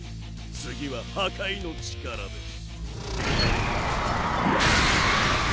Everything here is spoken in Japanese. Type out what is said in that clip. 次は破壊の力です。